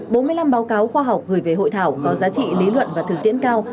bốn mươi năm báo cáo khoa học gửi về hội thảo có giá trị lý luận và thực tiễn cao